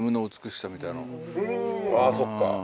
あそっか。